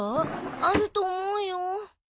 あると思うよ。